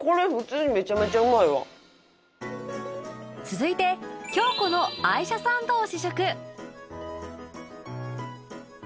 続いて京子の愛車サンドを試食